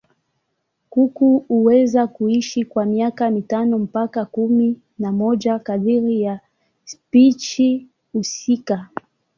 Kuku huweza kuishi kwa miaka mitano mpaka kumi na moja kadiri ya spishi husika.